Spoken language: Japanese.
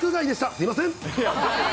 すみません。